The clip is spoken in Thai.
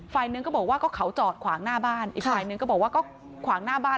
ฝ่ายหนึ่งก็บอกว่าก็เขาจอดขวางหน้าบ้านอีกฝ่ายหนึ่งก็บอกว่าก็ขวางหน้าบ้าน